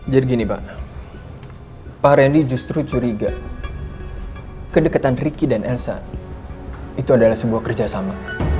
jadi begini pak pak rendy justru curiga kedekatan ricky dan elsa itu adalah sebuah kerjasama